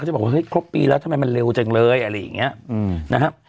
เขาจะบอกว่าเฮ้ยครบปีแล้วทำไมมันเร็วจังเลยอะไรอย่างเงี้ยอืมนะฮะ